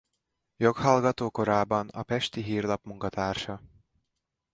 Joghallgató korában a Pesti Hírlap munkatársa.